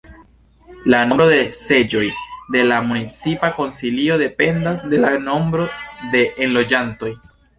La nombro de seĝoj de la municipa Konsilio dependas de la nombro de enloĝantoj.